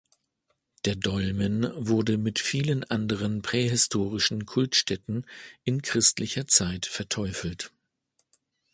Der Dolmen wurde mit vielen anderen prähistorischen Kultstätten in christlicher Zeit verteufelt.